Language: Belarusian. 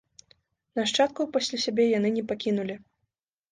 Нашчадкаў пасля сябе яны не пакінулі.